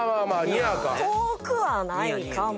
遠くはないかも。